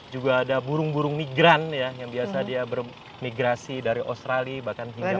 juga ada burung burung migran ya yang biasa dia bermigrasi dari australia bahkan hingga